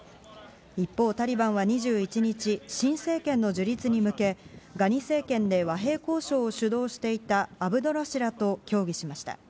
一方、タリバンは２１日新政権の樹立に向け和平交渉を主導していたアブドラ氏らと協議しました。